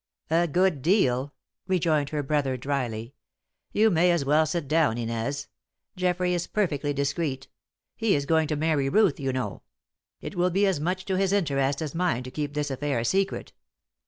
"A good deal," rejoined her brother, drily. "You may as well sit down, Inez. Geoffrey is perfectly discreet. He is going to marry Ruth, you know: it will be as much to his interest as mine to keep this affair secret.